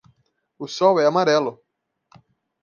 O sol é amarelo.